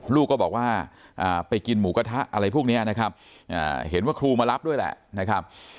ลูกก็บอกว่าไปกินหมูกระทะอะไรพวกนี้นะครับเห็นว่าครูมารับด้วยแหละนะครับ